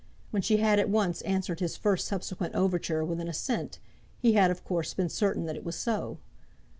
When she had at once answered his first subsequent overture with an assent, he had of course been certain that it was so.